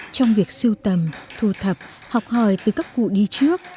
trong việc sưu tầm thu thập học hỏi từ các cụ đi trước